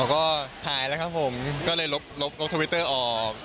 ก็หายแล้วครับผมก็เลยลบทวิตเตอร์ออก